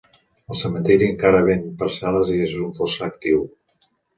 El cementiri encara ven parcel·les i és un fossar actiu.